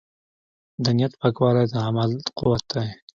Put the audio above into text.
د نیت پاکوالی د عمل قوت دی.